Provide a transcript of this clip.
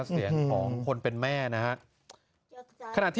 พ่อไปฟังหน่อยครับ